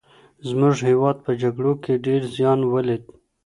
زمونږ هېواد په جګړو کي ډېر زيان وليد.